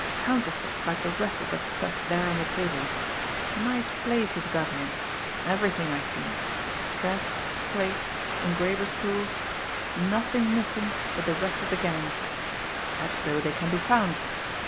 Counterfeit like the rest of that stuff there on the table! Nice place you've got here everything, I see press, plates, engraver's tools nothing missing but the rest of the gang! Perhaps, though, they can be found!